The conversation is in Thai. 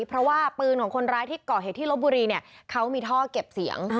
เพราะว่าปืนของคนร้ายที่ก่อเหตุที่ลบบุรีเนี่ยเขามีท่อเก็บเสียง